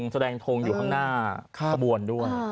แสดงทงอยู่ข้างหน้าขบวนด้วย